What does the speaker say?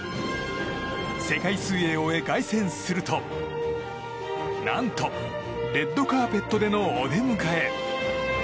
世界水泳を終え、凱旋すると何と、レッドカーペットでのお出迎え！